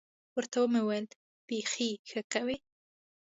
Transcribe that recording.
ورته ومې ویل بيخي ښه کوې.